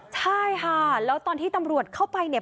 ใช่ค่ะแล้วตอนที่ตำรวจเข้าไปเนี่ย